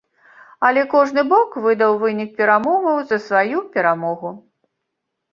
Але кожны бок выдаў вынік перамоваў за сваю перамогу.